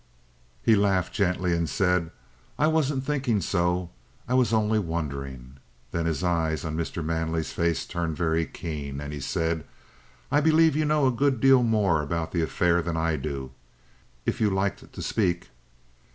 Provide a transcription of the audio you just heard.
He laughed gently and said: "I wasn't thinking so. I was only wondering." Then his eyes on Mr. Manley's face turned very keen, and he said: "I believe you know a good deal more about the affair than I do, if you liked to speak."